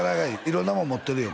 色んなもん持ってるよ